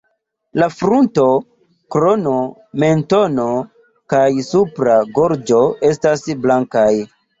La frunto, krono, mentono kaj supra gorĝo estas blankaj.